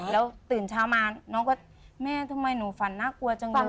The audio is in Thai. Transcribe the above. แล้วตื่นเช้ามาน้องก็แม่ทำไมหนูฝันน่ากลัวจังเลย